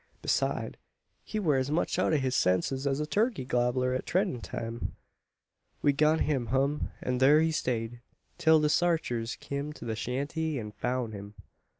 Beside, he wur as much out o' his senses as a turkey gobber at treadin' time. "We got him hum; an thur he stayed, till the sarchers kim to the shanty an foun' him."